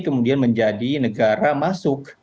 kemudian menjadi negara masuk